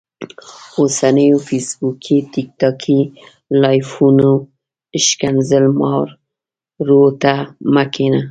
اوسنيو فيسبوکي ټیک ټاکي لايفونو ښکنځل مارو ته مه کينه